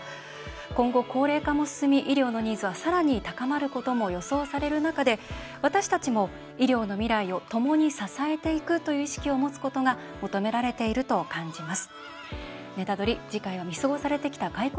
今後、高齢化も進み医療のニーズは、さらに高まることも予想される中で私たちも医療の未来をともに支えていくという意識が求められていると感じます。